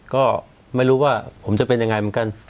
ก็ไม่รู้ว่าผมจะเป็นยังไงเหมือนกัน